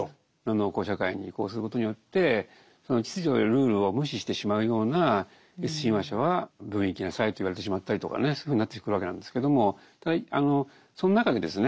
農耕社会に移行することによってその秩序やルールを無視してしまうようなＳ親和者は病院行きなさいと言われてしまったりとかねそういうふうになってくるわけなんですけれどもその中でですね